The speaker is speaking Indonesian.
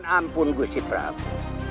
ampun gusti prabu